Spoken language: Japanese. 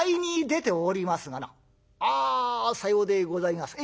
「ああさようでございますか。